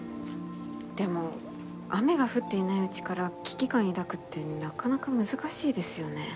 でも雨が降っていないうちから危機感抱くってなかなか難しいですよね。